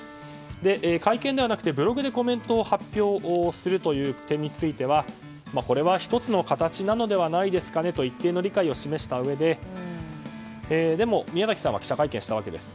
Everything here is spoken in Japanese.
会見ではなくてブログでコメントを発表するという点については１つの形なのではないですかねと一定の理解を示したうえででも、宮崎さんは記者会見したわけです。